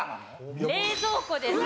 冷蔵庫です。